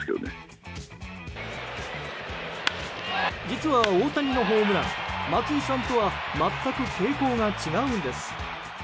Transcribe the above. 実は大谷のホームラン松井さんとは全く傾向が違うんです。